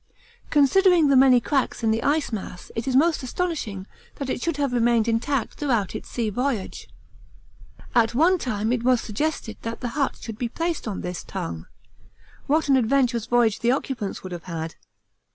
Considering the many cracks in the ice mass it is most astonishing that it should have remained intact throughout its sea voyage. At one time it was suggested that the hut should be placed on this Tongue. What an adventurous voyage the occupants would have had!